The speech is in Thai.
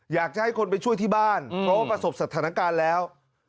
อยากจะให้คนไปช่วยที่บ้านเพราะว่าประสบสถานการณ์แล้ว